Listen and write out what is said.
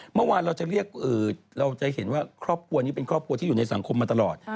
เมื่อวานเราจะเรียกเราจะเห็นว่าครอบครัวนี้เป็นครอบครัวที่อยู่ในสังคมมาตลอด